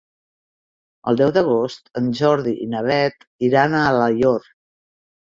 El deu d'agost en Jordi i na Beth iran a Alaior.